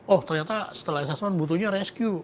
oh ternyata setelah assessment butuhnya rescue